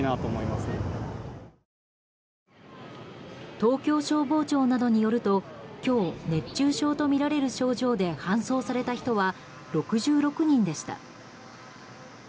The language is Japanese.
東京消防庁などによると今日、熱中症とみられる症状で搬送された人は６６人でした。